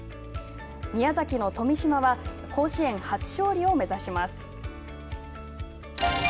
宮崎の富島は甲子園初勝利を目指します。